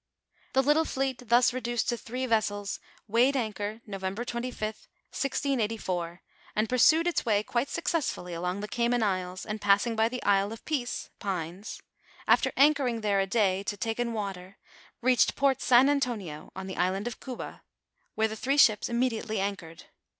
The little fleet thus reduced to three vessels, weighed an chor November 25th, 1684, and pursued its way quite suc cessfully along the Cayman isles, and passing by the Isle of Peace (pines), after anchoring there a day to take in water, reached Port San Antonio, on the island of Cuba, where the three ships immediately anchored.